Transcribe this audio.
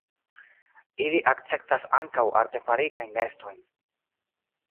Ili akceptas ankaŭ artefaritajn nestojn.